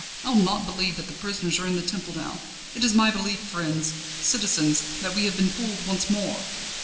_ I'll not believe that the prisoners are in the Temple now! It is my belief, friends, citizens, that we have been fooled once more!"